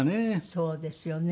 そうですよね。